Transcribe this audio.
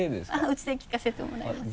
うちで聴かせてもらいました。